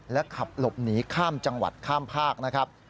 ขับหลบหนีข้ามจังหวัดข้ามภาคนะครับ